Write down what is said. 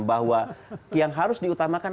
bahwa yang harus diutamakan